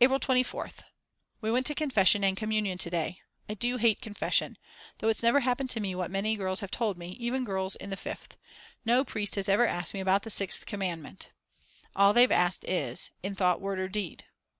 April 24th. We went to confession and communion to day. I do hate confession; though it's never happened to me what many girls have told me, even girls in the Fifth. No priest has ever asked me about the 6th commandment; all they've asked is: In thought, word, or deed?